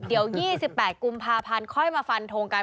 เดี๋ยว๒๘กุมภาพันธ์ค่อยมาฟันทงกัน